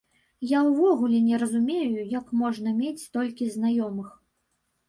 Я ўвогуле не разумею, як можна мець столькі знаёмых!